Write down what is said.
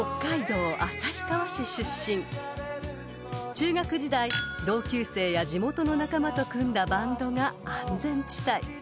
［中学時代同級生や地元の仲間と組んだバンドが安全地帯］